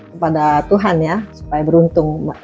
kepada tuhan ya supaya beruntung